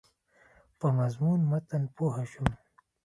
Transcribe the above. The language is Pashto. په مضمون متن پوه شوم.